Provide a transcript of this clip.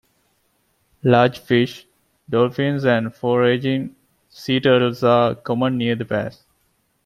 Large fish, dolphins and foraging sea turtles are common near the pass.